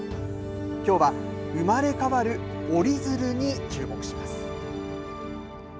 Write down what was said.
きょうは生まれ変わる折り鶴にチューモクします。